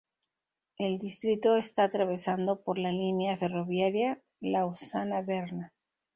El distrito está atravesado por la línea ferroviaria Lausana-Berna.